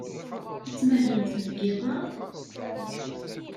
Ad tmahlemt deg yiḍ-a?